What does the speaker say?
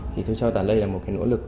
thì tôi cho rằng đây là một cái nỗ lực